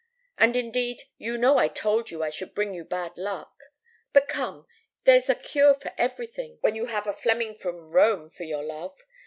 And, indeed, you know I told you I should bring you bad luck. But come, there's a cure for everything when you have a Fleming from Rome* for your love.